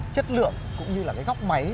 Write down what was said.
chất lượng cũng như là góc máy